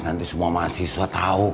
nanti semua mahasiswa tau